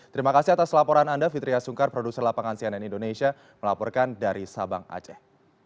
terima kasih atas laporan anda fitriah sungkar produser lapangan cnn indonesia melaporkan dari sabang aceh